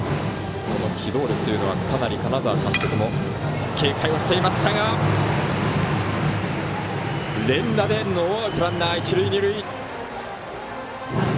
この機動力というのは金沢監督も警戒をしていましたが、連打でノーアウト、ランナー、一塁二塁。